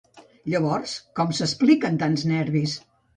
Llavors com s’expliquen tants nervis?